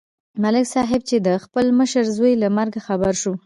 ملک صاحب چې د خپل مشر زوی له مرګه خبر شو